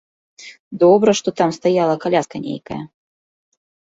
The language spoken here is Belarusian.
Добра, што там стаяла каляска нейкая.